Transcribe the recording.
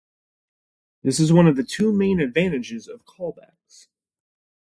This is one of the two main advantages of callbacks.